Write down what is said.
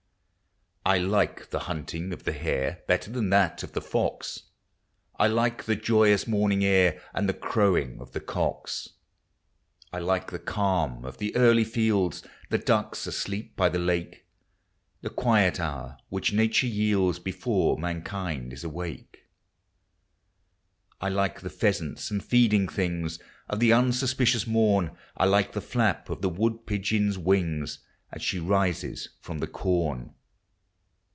I like the hunting of the hare Better than that of the fox ; I like the joyous morning air, And the crowing of the cocks. I like the calm of the early fields, The ducks asleep by the lake, The quiet hour which Nature yields Before mankind is awake. 1 like the pheasants and feeding things Of the unsuspicious morn; I like the flap of the wood pigeon's winga As she rises from the corn.